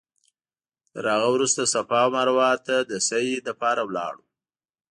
تر هغه وروسته صفا او مروه ته د سعې لپاره لاړو.